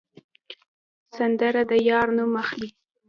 سندره د یار نوم اخلي